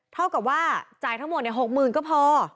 เท่ากับว่าจ่ายทั้งหมดเนี่ยหกหมื่นก็พอ